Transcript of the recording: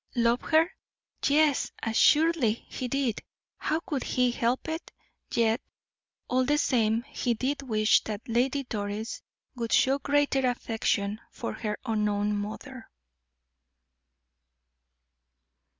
Love her? Yes, assuredly he did; how could he help it? Yet, all the same, he did wish that Lady Doris would show greater affection for her unknown mother.